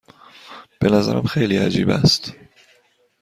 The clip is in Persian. به نظرم خیلی عجیب است.